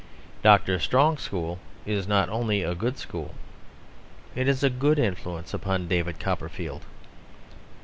Dr. Strong's school is not only a good school, it is a good influence upon David Copperfield.